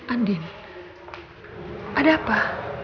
andin ada apa